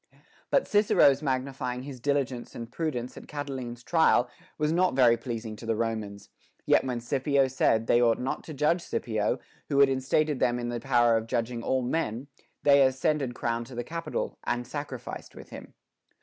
But Cicero's magnifying his diligence and prudence in Catiline's trial was not very pleasing to the Romans ; yet when Scipio said, they ought not to judge Scipio, who had enstated them in the power of judging all men, they as cended crowned to the Capitol, and sacrificed with him.